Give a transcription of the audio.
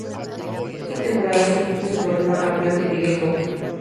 Esa temporada su equipo se proclama campeón de Liga y Copa.